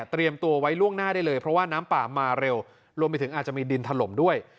ตัวไว้ล่วงหน้าได้เลยเพราะว่าน้ำป่ามาเร็วรวมไปถึงอาจจะมีดินถล่มด้วย